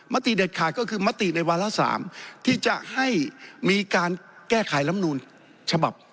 ติเด็ดขาดก็คือมติในวาระ๓ที่จะให้มีการแก้ไขลำนูลฉบับ